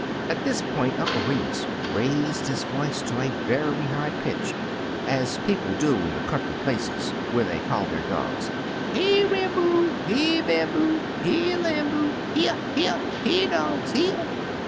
At this point, Uncle Remus raised his voice to a very high pitch, as people do in the country places when they call their dogs. "'Here, Ram boo! here. Bamboo! here, Lamboo — here, here! Here, dogs, here!'